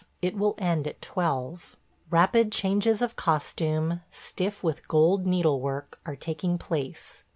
It will end at twelve. Rapid changes of costume – stiff with gold needlework – are taking place.